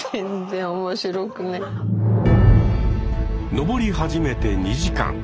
登り始めて２時間。